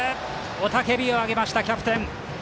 雄たけびを上げましたキャプテン。